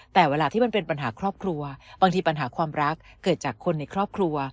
แต่เวลาที่มันเป็นปัญหาครอบครัวบางทีปัญหาความรักเกิดจากคนในครอบครัว